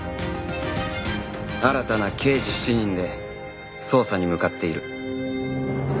新たな刑事７人で捜査に向かっている